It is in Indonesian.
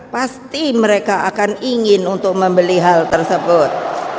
pasti mereka akan ingin untuk membeli hal tersebut